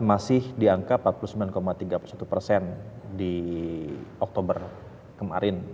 masih dianggap apus sembilan tiga persen di oktober kemarin